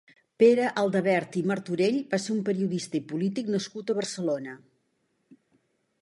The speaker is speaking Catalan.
Pere Aldavert i Martorell va ser un periodista i polític nascut a Barcelona.